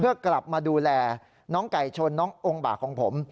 เพื่อกลับมาดูแลน้องไก่ชนน้ององค์บากของผม